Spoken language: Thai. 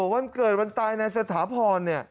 วันเกิดวันตายในสถาพรเนี่ย